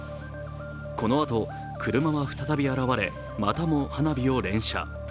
この後、車は再び現れまたも花火を連射。